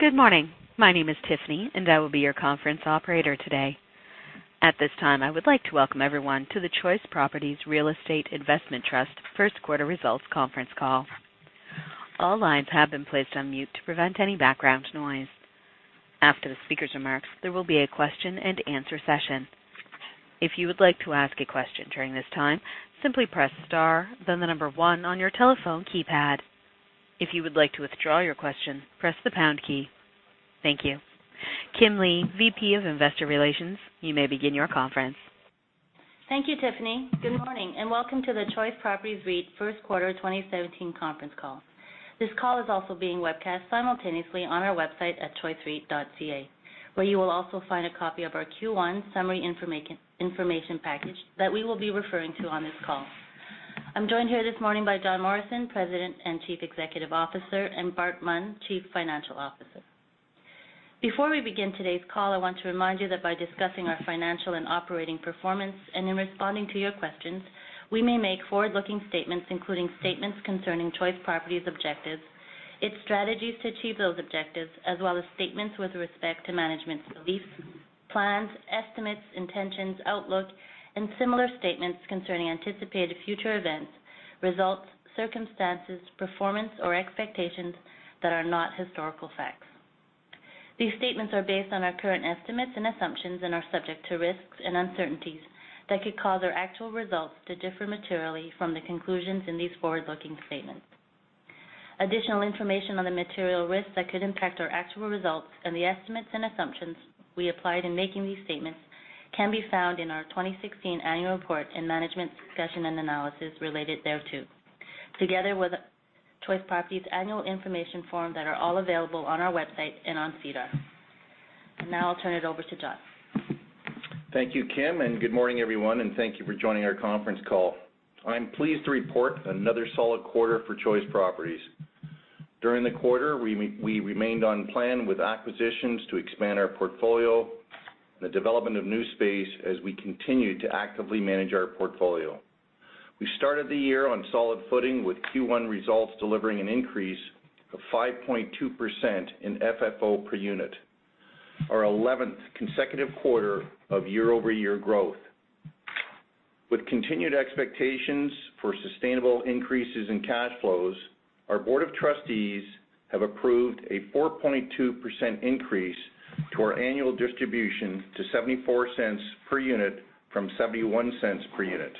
Good morning. My name is Tiffany, and I will be your conference operator today. At this time, I would like to welcome everyone to the Choice Properties Real Estate Investment Trust First Quarter Results Conference Call. All lines have been placed on mute to prevent any background noise. After the speaker's remarks, there will be a question and answer session. If you would like to ask a question during this time, simply press star, then the number one on your telephone keypad. If you would like to withdraw your question, press the pound key. Thank you. Kim Lee, VP of Investor Relations, you may begin your conference. Thank you, Tiffany. Good morning, and welcome to the Choice Properties REIT First Quarter 2017 conference call. This call is also being webcast simultaneously on our website at choicereit.ca, where you will also find a copy of our Q1 summary information package that we will be referring to on this call. I'm joined here this morning by John Morrison, President and Chief Executive Officer, and Bart Munn, Chief Financial Officer. Before we begin today's call, I want to remind you that by discussing our financial and operating performance and in responding to your questions, we may make forward-looking statements, including statements concerning Choice Properties' objectives, its strategies to achieve those objectives, as well as statements with respect to management's beliefs, plans, estimates, intentions, outlook, and similar statements concerning anticipated future events, results, circumstances, performance, or expectations that are not historical facts. These statements are based on our current estimates and assumptions and are subject to risks and uncertainties that could cause our actual results to differ materially from the conclusions in these forward-looking statements. Additional information on the material risks that could impact our actual results and the estimates and assumptions we applied in making these statements can be found in our 2016 annual report and management discussion and analysis related thereto, together with Choice Properties annual information form that are all available on our website and on SEDAR. Now, I'll turn it over to John. Thank you, Kim, and good morning, everyone, and thank you for joining our conference call. I'm pleased to report another solid quarter for Choice Properties. During the quarter, we remained on plan with acquisitions to expand our portfolio and the development of new space as we continued to actively manage our portfolio. We started the year on solid footing with Q1 results delivering an increase of 5.2% in FFO per unit, our 11th consecutive quarter of year-over-year growth. With continued expectations for sustainable increases in cash flows, our board of trustees have approved a 4.2% increase to our annual distribution to 0.74 per unit from 0.71 per unit.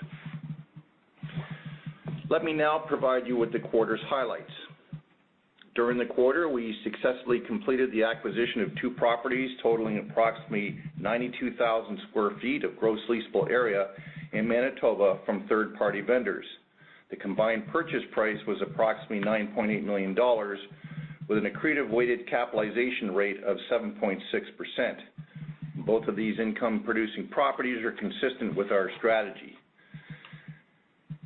Let me now provide you with the quarter's highlights. During the quarter, we successfully completed the acquisition of two properties totaling approximately 92,000 sq ft of gross leasable area in Manitoba from third-party vendors. The combined purchase price was approximately 9.8 million dollars with an accretive weighted capitalization rate of 7.6%. Both of these income-producing properties are consistent with our strategy.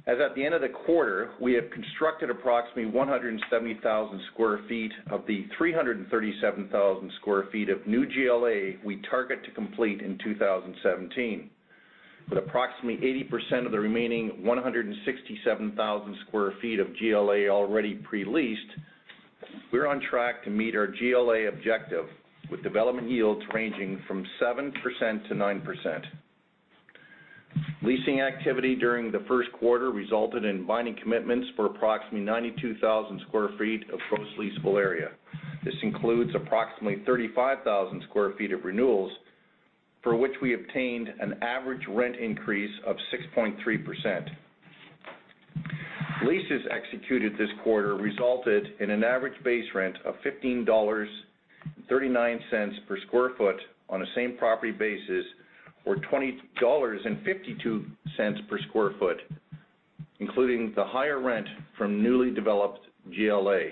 As at the end of the quarter, we have constructed approximately 170,000 square feet of the 337,000 square feet of new GLA we target to complete in 2017. With approximately 80% of the remaining 167,000 square feet of GLA already pre-leased, we are on track to meet our GLA objective with development yields ranging from 7%-9%. Leasing activity during the first quarter resulted in binding commitments for approximately 92,000 square feet of gross leasable area. This includes approximately 35,000 square feet of renewals, for which we obtained an average rent increase of 6.3%. Leases executed this quarter resulted in an average base rent of 15.39 dollars per square foot on a same-property basis, or 20.52 dollars per square foot, including the higher rent from newly developed GLA.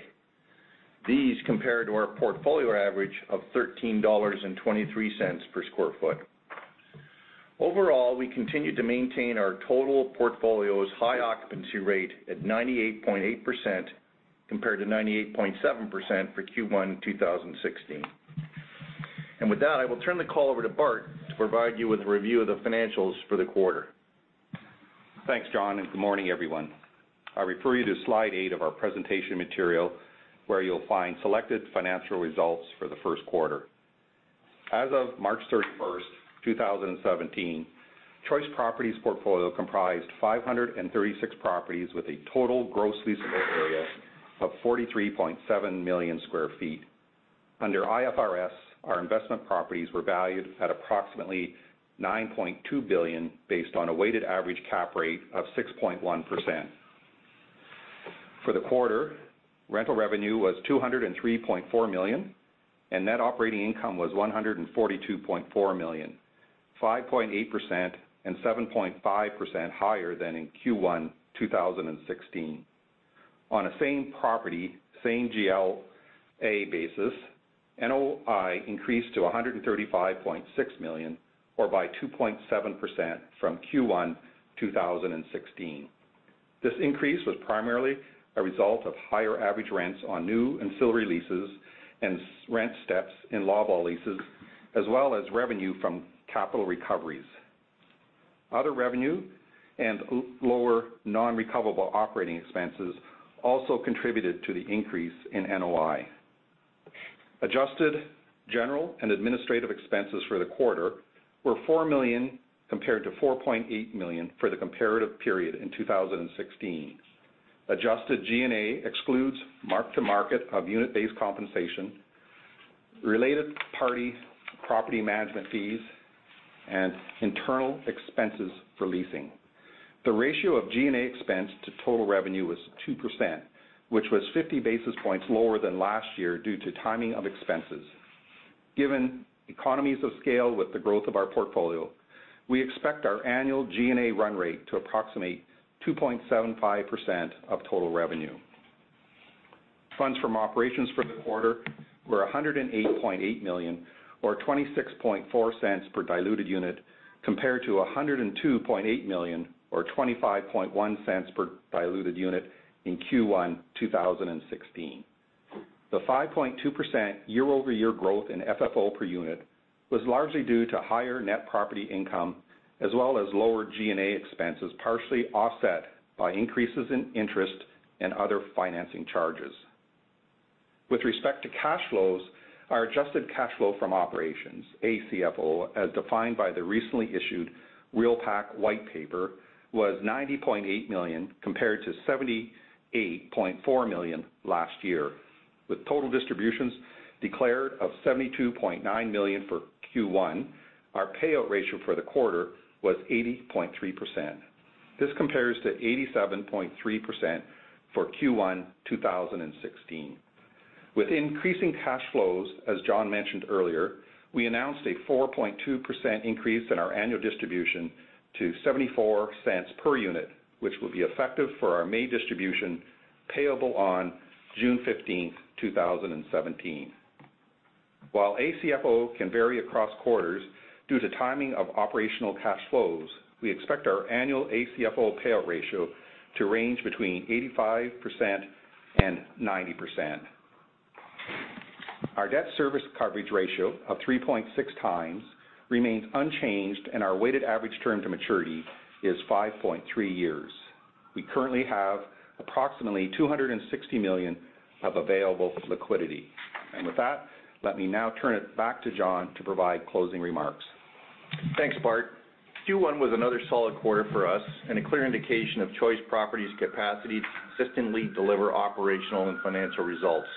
These compare to our portfolio average of 13.23 dollars per square foot. Overall, we continue to maintain our total portfolio's high occupancy rate at 98.8%, compared to 98.7% for Q1 2016. With that, I will turn the call over to Bart to provide you with a review of the financials for the quarter. Thanks, John, and good morning, everyone. I refer you to slide eight of our presentation material, where you will find selected financial results for the first quarter. As of March 31st, 2017, Choice Properties' portfolio comprised 536 properties with a total gross leasable area of 43.7 million square feet. Under IFRS, our investment properties were valued at approximately 9.2 billion, based on a weighted average cap rate of 6.1%. For the quarter, rental revenue was 203.4 million, and net operating income was 142.4 million, 5.8% and 7.5% higher than in Q1 2016. On a same property, same GLA basis, NOI increased to 135.6 million or by 2.7% from Q1 2016. This increase was primarily a result of higher average rents on new ancillary leases and rent steps in Loblaw leases, as well as revenue from capital recoveries. Other revenue and lower non-recoverable operating expenses also contributed to the increase in NOI. Adjusted general and administrative expenses for the quarter were 4 million, compared to 4.8 million for the comparative period in 2016. Adjusted G&A excludes mark-to-market of unit-based compensation, related party property management fees, and internal expenses for leasing. The ratio of G&A expense to total revenue was 2%, which was 50 basis points lower than last year due to timing of expenses. Given economies of scale with the growth of our portfolio, we expect our annual G&A run rate to approximate 2.75% of total revenue. Funds from operations for the quarter were 108.8 million, or 0.264 per diluted unit, compared to 102.8 million, or 0.251 per diluted unit in Q1 2016. The 5.2% year-over-year growth in FFO per unit was largely due to higher net property income, as well as lower G&A expenses, partially offset by increases in interest and other financing charges. With respect to cash flows, our adjusted cash flow from operations, ACFO, as defined by the recently issued REALPAC white paper, was 90.8 million, compared to 78.4 million last year. With total distributions declared of 72.9 million for Q1, our payout ratio for the quarter was 80.3%. This compares to 87.3% for Q1 2016. With increasing cash flows, as John mentioned earlier, we announced a 4.2% increase in our annual distribution to 0.74 per unit, which will be effective for our May distribution, payable on June 15th, 2017. While ACFO can vary across quarters due to timing of operational cash flows, we expect our annual ACFO payout ratio to range between 85% and 90%. Our debt service coverage ratio of 3.6 times remains unchanged, and our weighted average term to maturity is 5.3 years. We currently have approximately 260 million of available liquidity. With that, let me now turn it back to John to provide closing remarks. Thanks, Bart. Q1 was another solid quarter for us and a clear indication of Choice Properties' capacity to consistently deliver operational and financial results.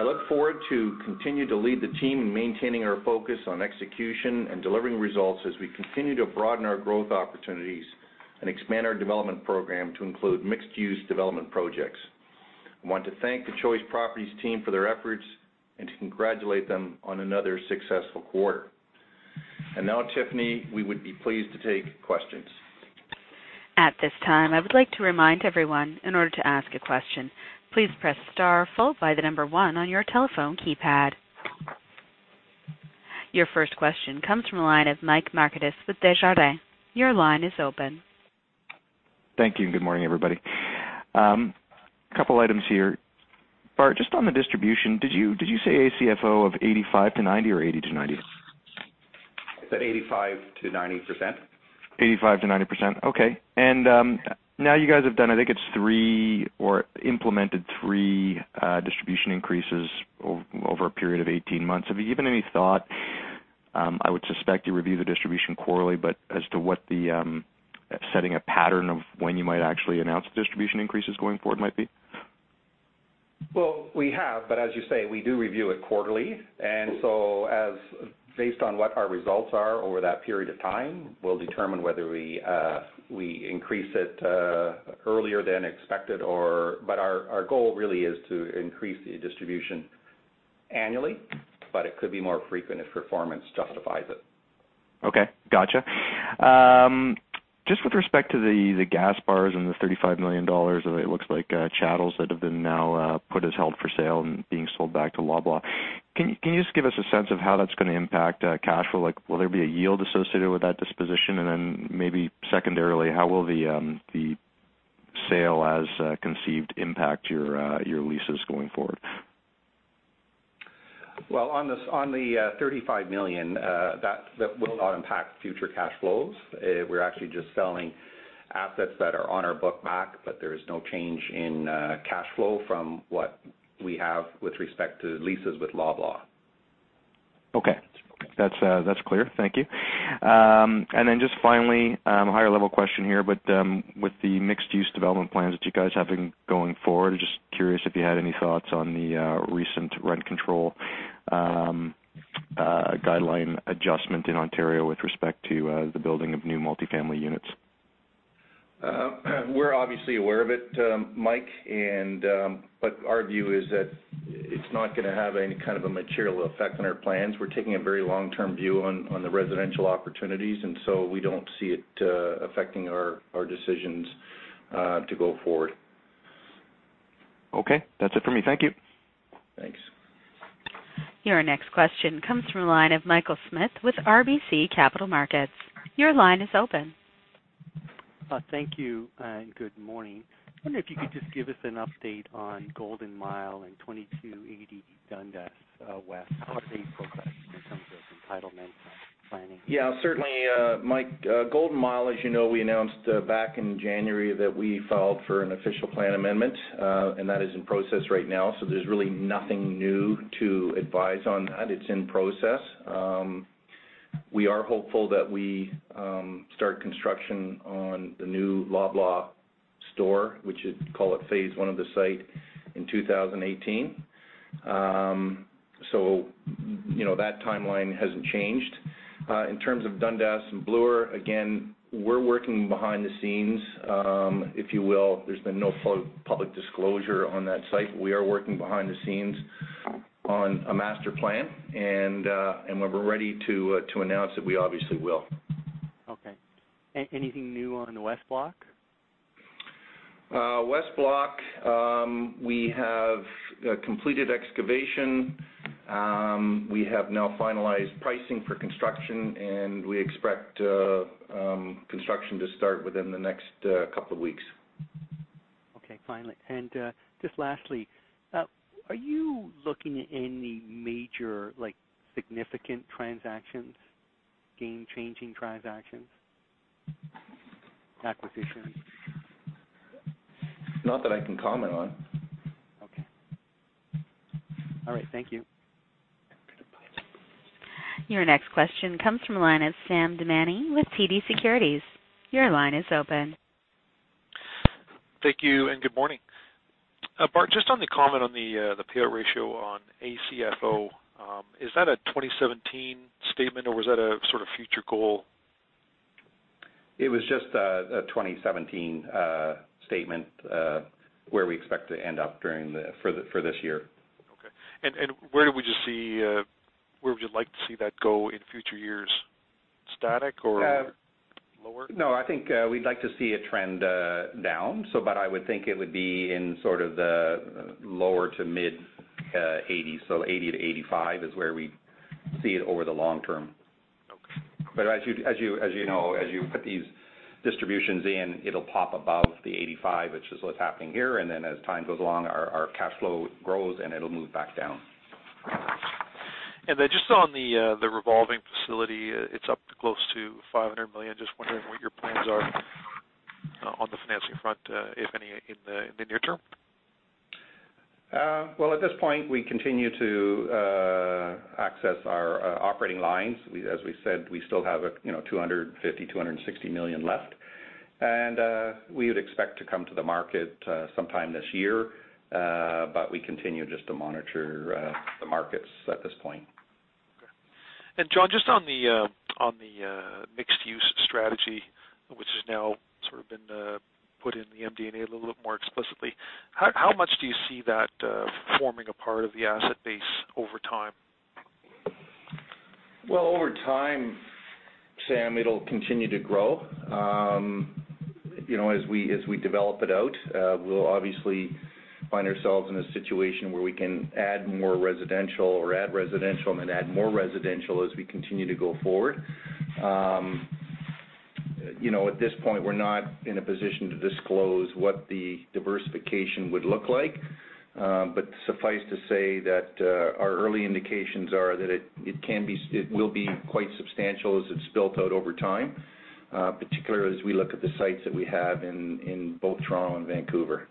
I look forward to continue to lead the team in maintaining our focus on execution and delivering results as we continue to broaden our growth opportunities and expand our development program to include mixed-use development projects. I want to thank the Choice Properties team for their efforts and to congratulate them on another successful quarter. Now, Tiffany, we would be pleased to take questions. At this time, I would like to remind everyone, in order to ask a question, please press star followed by the number one on your telephone keypad. Your first question comes from the line of Mike Markidis with Desjardins. Your line is open. Thank you, good morning, everybody. Couple items here. Bart, just on the distribution, did you say ACFO of 85%-90% or 80%-90%? I said 85%-90%. 85%-90%, okay. Now you guys have done, I think it's three, or implemented three distribution increases over a period of 18 months. Have you given any thought, I would suspect you review the distribution quarterly, but as to what the setting a pattern of when you might actually announce the distribution increases going forward might be? Well, we have, but as you say, we do review it quarterly, and so based on what our results are over that period of time, we'll determine whether we increase it earlier than expected. Our goal really is to increase the distribution annually, but it could be more frequent if performance justifies it. Okay, gotcha. Just with respect to the gas bars and the 35 million dollars of it looks like chattels that have been now put as held for sale and being sold back to Loblaw. Can you just give us a sense of how that's going to impact cash flow? Will there be a yield associated with that disposition? Then maybe secondarily, how will the sale as conceived impact your leases going forward? Well, on the 35 million, that will not impact future cash flows. We're actually just selling assets that are on our book back, there is no change in cash flow from what we have with respect to leases with Loblaw. Okay. That's clear. Thank you. Then just finally, a higher-level question here, with the mixed-use development plans that you guys have been going forward, just curious if you had any thoughts on the recent rent control guideline adjustment in Ontario with respect to the building of new multifamily units. We're obviously aware of it, Mike, our view is that it's not going to have any kind of a material effect on our plans. We're taking a very long-term view on the residential opportunities, we don't see it affecting our decisions to go forward. Okay. That's it for me. Thank you. Thanks. Your next question comes from the line of Michael Smith with RBC Capital Markets. Your line is open. Thank you, good morning. I wonder if you could just give us an update on Golden Mile and 2280 Dundas West. How are they progressing in terms of entitlement and planning? Yeah, certainly, Mike. Golden Mile, as you know, we announced back in January that we filed for an official plan amendment. That is in process right now. There's really nothing new to advise on that. It's in process. We are hopeful that we start construction on the new Loblaw store, which is, call it phase one of the site, in 2018. That timeline hasn't changed. In terms of Dundas and Bloor, again, we're working behind the scenes, if you will. There's been no public disclosure on that site. We are working behind the scenes on a master plan. When we're ready to announce it, we obviously will. Okay. Anything new on West Block? West Block, we have completed excavation. We have now finalized pricing for construction, and we expect construction to start within the next couple of weeks. Okay, finally. Just lastly, are you looking at any major, significant transactions, game-changing transactions, acquisitions? Not that I can comment on. Okay. All right. Thank you. Your next question comes from the line of Sam Damiani with TD Securities. Your line is open. Thank you, good morning. Bart, just on the comment on the payout ratio on ACFO, is that a 2017 statement or was that a sort of future goal? It was just a 2017 statement, where we expect to end up for this year. Okay. Where would you like to see that go in future years? Static or lower? No, I think, we'd like to see it trend down. I would think it would be in sort of the lower to mid 80s. 80-85 is where we see it over the long term. Okay. As you know, as you put these distributions in, it'll pop above the 85, which is what's happening here. As time goes along, our cash flow grows, and it'll move back down. Just on the revolving facility, it's up close to 500 million. Just wondering what your plans are on the financing front, if any, in the near term. Well, at this point, we continue to access our operating lines. As we said, we still have 250 million, 260 million left. We would expect to come to the market sometime this year. We continue just to monitor the markets at this point. Okay. John, just on the mixed-use strategy, which has now sort of been put in the MD&A a little bit more explicitly, how much do you see that forming a part of the asset base over time? Well, over time, Sam, it'll continue to grow. As we develop it out, we'll obviously find ourselves in a situation where we can add more residential, or add residential and then add more residential as we continue to go forward. At this point, we're not in a position to disclose what the diversification would look like. Suffice to say that our early indications are that it will be quite substantial as it's built out over time, particularly as we look at the sites that we have in both Toronto and Vancouver.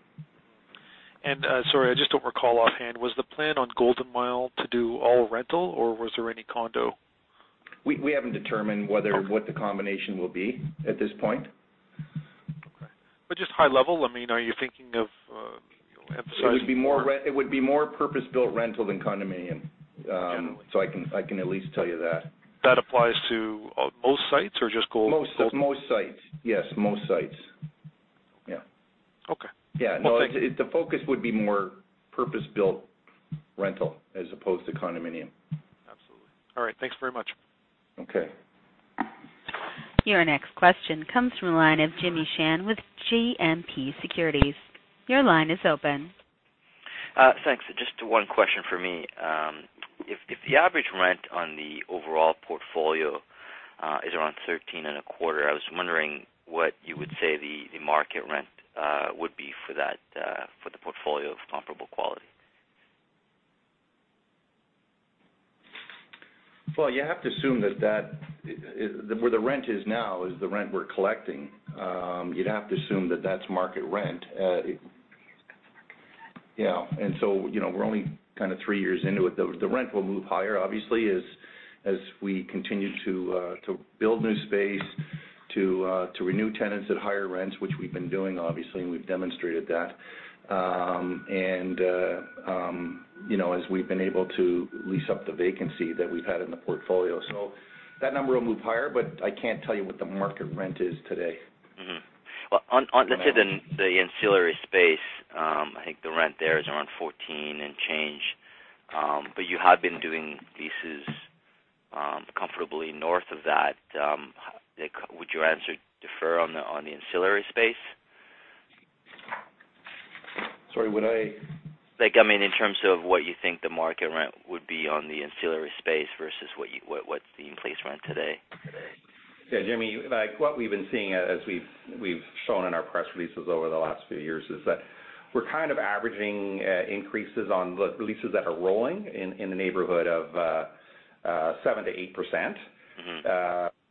Sorry, I just don't recall offhand. Was the plan on Golden Mile to do all rental, or was there any condo? We haven't determined what the combination will be at this point. Okay. Just high level, are you thinking of emphasizing more? It would be more purpose-built rental than condominium. Generally. I can at least tell you that. That applies to most sites or just Golden? Most sites. Yes. Most sites. Yeah. Okay. Yeah. No, the focus would be more purpose-built rental as opposed to condominium. Absolutely. All right. Thanks very much. Okay. Your next question comes from the line of Jimmy Shan with GMP Securities. Your line is open. Thanks. Just one question from me. If the average rent on the overall portfolio is around 13 and a quarter, I was wondering what you would say the market rent would be for the portfolio of comparable quality. Well, you have to assume that where the rent is now is the rent we're collecting. You'd have to assume that that's market rent. We're only kind of three years into it. The rent will move higher, obviously, as we continue to build new space, to renew tenants at higher rents, which we've been doing, obviously, and we've demonstrated that. As we've been able to lease up the vacancy that we've had in the portfolio. That number will move higher, but I can't tell you what the market rent is today. Well, let's say the ancillary space, I think the rent there is around 14 and change. You have been doing leases comfortably north of that. Would your answer defer on the ancillary space? Sorry. I mean, in terms of what you think the market rent would be on the ancillary space versus what's the in-place rent today. Yeah, Jimmy, what we've been seeing as we've shown in our press releases over the last few years is that we're kind of averaging increases on leases that are rolling in the neighborhood of 7%-8%.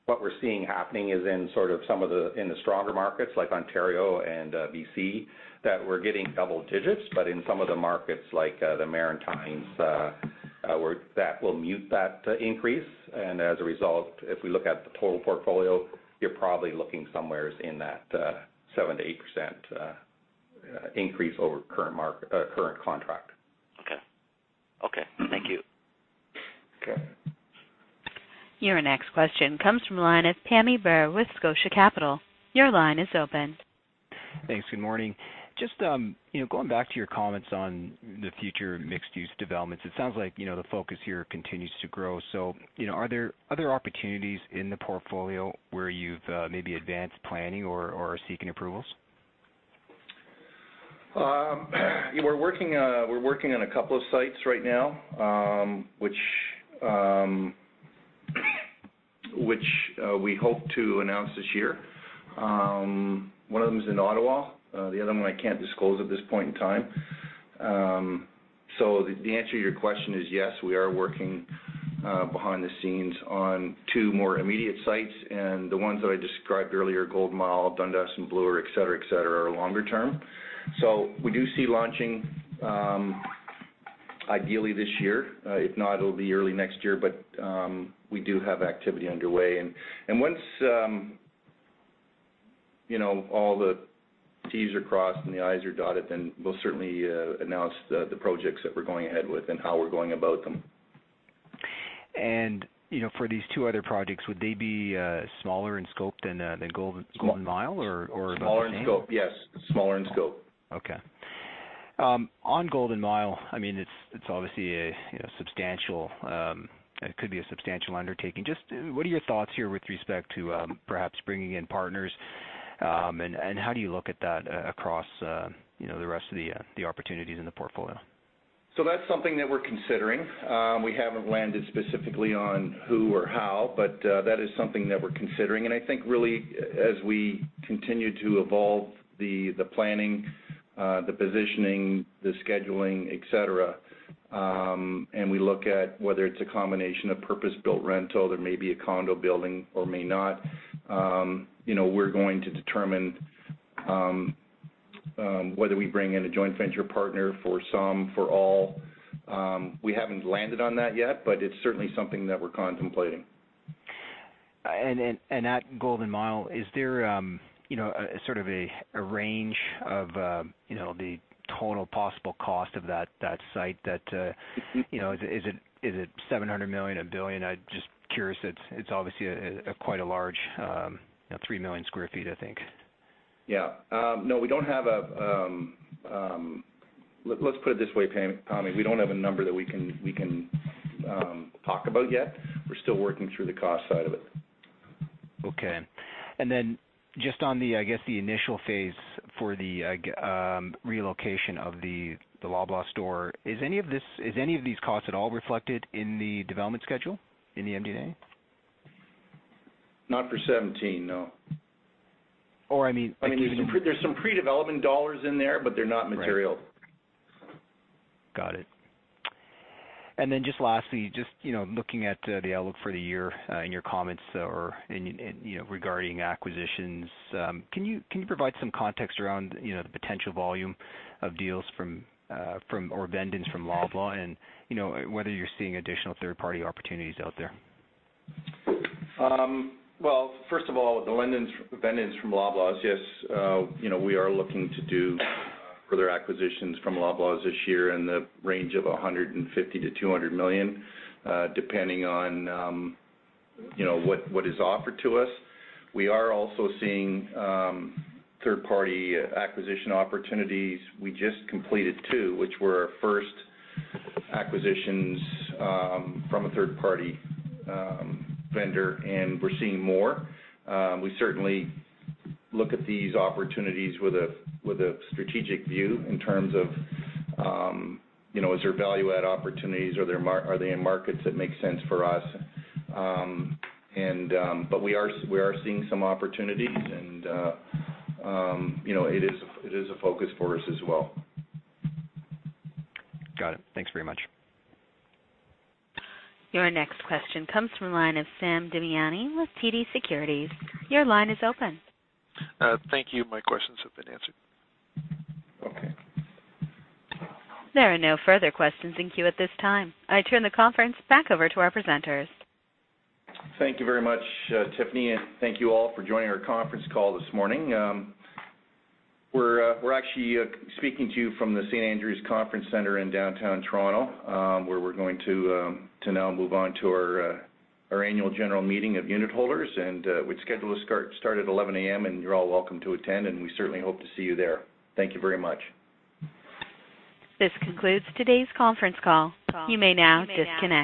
What we're seeing happening is in sort of some of the stronger markets like Ontario and BC, that we're getting double digits, but in some of the markets like the Maritimes, that will mute that increase. As a result, if we look at the total portfolio, you're probably looking somewhere in that 7%-8% increase over current contract. Okay. Thank you. Okay. Your next question comes from the line of Pammi Bir with Scotia Capital. Your line is open. Thanks. Good morning. Just going back to your comments on the future mixed-use developments, it sounds like the focus here continues to grow. Are there other opportunities in the portfolio where you've maybe advanced planning or are seeking approvals? We're working on a couple of sites right now, which we hope to announce this year. One of them is in Ottawa. The other one I can't disclose at this point in time. The answer to your question is yes, we are working behind the scenes on two more immediate sites, and the ones that I described earlier, Golden Mile, Dundas and Bloor, et cetera, are longer term. We do see launching, ideally this year. If not, it'll be early next year. We do have activity underway. Once all the T's are crossed and the I's are dotted, then we'll certainly announce the projects that we're going ahead with and how we're going about them. For these two other projects, would they be smaller in scope than Golden Mile or about the same? Smaller in scope, yes. Smaller in scope. Okay. On Golden Mile, it's obviously, it could be a substantial undertaking. Just what are your thoughts here with respect to perhaps bringing in partners, and how do you look at that across the rest of the opportunities in the portfolio? That's something that we're considering. We haven't landed specifically on who or how, but that is something that we're considering. I think really, as we continue to evolve the planning, the positioning, the scheduling, et cetera, and we look at whether it's a combination of purpose-built rental, there may be a condo building or may not. We're going to determine whether we bring in a joint venture partner for some, for all. We haven't landed on that yet, but it's certainly something that we're contemplating. At Golden Mile, is there sort of a range of the total possible cost of that site that, is it 700 million, 1 billion? I'm just curious. It's obviously quite a large, 3 million sq ft, I think. Let's put it this way, Pammi. We don't have a number that we can talk about yet. We're still working through the cost side of it. Then just on the, I guess the initial phase for the relocation of the Loblaw store. Is any of these costs at all reflected in the development schedule in the MD&A? Not for 2017, no. Or, I mean- There's some pre-development dollars in there, but they're not material. Just lastly, just looking at the outlook for the year, in your comments regarding acquisitions, can you provide some context around the potential volume of deals from, or vend-in from Loblaw and whether you're seeing additional third-party opportunities out there? Well, first of all, the vend-in from Loblaw is yes, we are looking to do further acquisitions from Loblaw this year in the range of 150 million-200 million, depending on what is offered to us. We are also seeing third-party acquisition opportunities. We just completed two, which were our first acquisitions from a third-party vendor, and we're seeing more. We certainly look at these opportunities with a strategic view in terms of, is there value-add opportunities? Are they in markets that make sense for us? We are seeing some opportunities and it is a focus for us as well. Got it. Thanks very much. Your next question comes from the line of Sam Damiani with TD Securities. Your line is open. Thank you. My questions have been answered. Okay. There are no further questions in queue at this time. I turn the conference back over to our presenters. Thank you very much, Tiffany. Thank you all for joining our conference call this morning. We're actually speaking to you from the St. Andrew's Conference Center in downtown Toronto, where we're going to now move on to our annual general meeting of unitholders. Which schedule will start at 11:00 A.M., and you're all welcome to attend, and we certainly hope to see you there. Thank you very much. This concludes today's conference call. You may now disconnect.